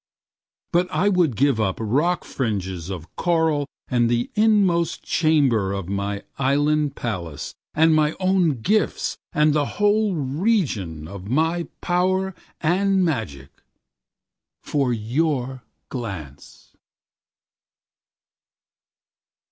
But I would give up rock fringes of coral and the inmost chamber of my island palace and my own gifts and the whole region of my power and magic for your glance.